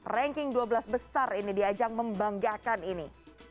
ranking dua belas besar ini di ajang membanggakan ini